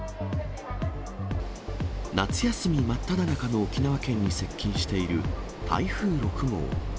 夏休み真っただ中の沖縄県に接近している台風６号。